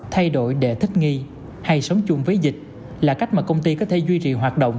thay đổi để thích nghi hay sống chung với dịch là cách mà công ty có thể duy trì hoạt động